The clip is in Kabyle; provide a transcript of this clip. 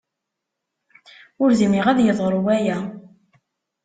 Ur dmiɣ ad yeḍru waya.